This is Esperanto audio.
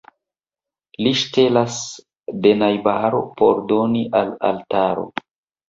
Li ŝtelas de najbaro, por doni al altaro.